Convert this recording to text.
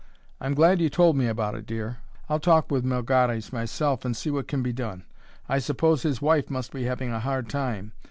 I'm glad you told me about it, dear. I'll talk with Melgares myself, and see what can be done. I suppose his wife must be having a hard time.